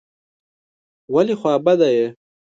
ولي خوابدی یې ؟